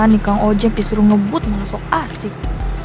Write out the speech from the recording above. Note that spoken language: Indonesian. nikang ojek disuruh ngebut malah sok asyik